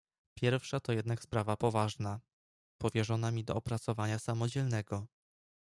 "Pierwsza to jednak sprawa poważna, powierzona mi do opracowania samodzielnego."